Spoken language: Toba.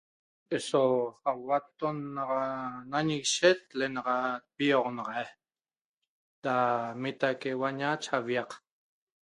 Eso ahuatton. Naxa na nañiguishe lenaxat vioxonaxaiq da mitaque naxa huaña eñe aviaq